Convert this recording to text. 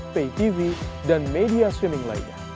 pay tv dan media swimming lainnya